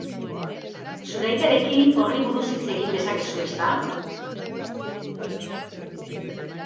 Zure aitarekin horri buruz hitz egin dezakezu, ezta?